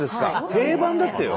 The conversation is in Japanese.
定番だってよ。